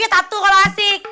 joget satu kalau asik